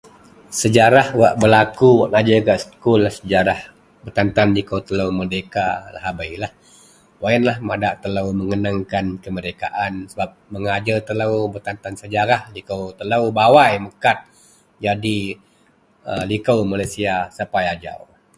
sejarah wak belaku wak najer gak sekul ialah sejarah betan-tan liko telou merdeka lahabei lah, wak ienlah madak telou megenangkan kemerdekaan sebab megajer telo, kubatan-tan sejarah liko telou bawai mekat jadi a liko malaysia sapai ajau